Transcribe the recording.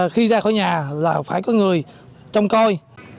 khi ra khỏi nhà là phải có người trông coi